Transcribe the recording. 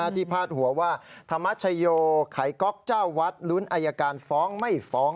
พาดหัวว่าธรรมชโยไขก๊อกเจ้าวัดลุ้นอายการฟ้องไม่ฟ้อง